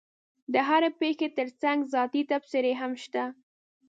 د هرې پېښې ترڅنګ ذاتي تبصرې هم شته.